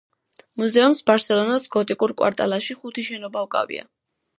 მუზეუმს ბარსელონას გოტიკურ კვარტალში ხუთი შენობა უკავია.